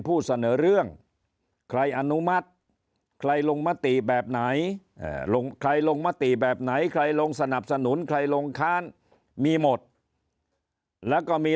ผู้เสนอเรื่องใครอนุมัติใครลงมติแบบไหนใครลงมติแบบไหนใครลงสนับสนุนใครลงค้านมีหมดแล้วก็มี